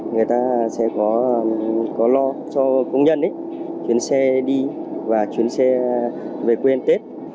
người ta sẽ có lo cho công nhân ấy chuyến xe đi và chuyến xe về quê đón tết